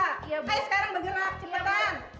ayo sekarang bergerak cepetan